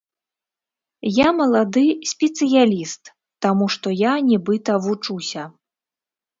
Я малады спецыяліст, таму што я нібыта вучуся.